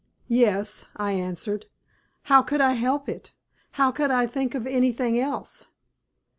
"Yes," I answered. "How could I help it how could I think of anything else?"